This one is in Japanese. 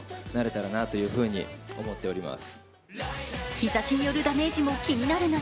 日ざしによるダメージも気になる夏。